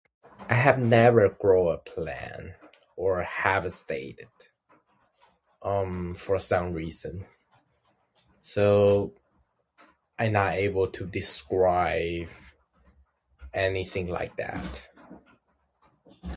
I have never grow a plant, or have seeded, um, for some reason. So, I not able to describe anything like that.